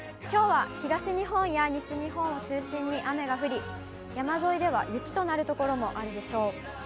きょうは東日本や西日本を中心に雨が降り、山沿いでは雪となる所もあるでしょう。